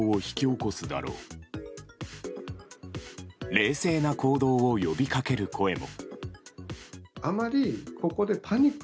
冷静な行動を呼びかける声も。